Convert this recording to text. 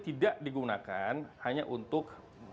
tidak digunakan hanya untuk